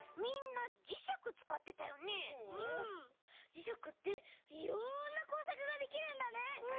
じしゃくっていろんなこうさくができるんだね。